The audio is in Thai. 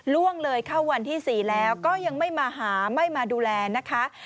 ล่วงเลยเข้าวันที่๔แล้วก็ยังไม่มาหาไม่มาดูแลนะคะ